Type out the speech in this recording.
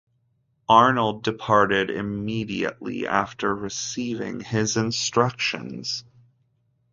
Arnold departed immediately after receiving his instructions.